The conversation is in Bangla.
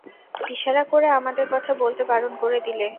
ইশারা করে আমাদের কথা বলতে বারণ করে দিলে।